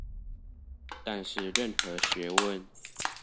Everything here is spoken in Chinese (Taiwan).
但是任何學問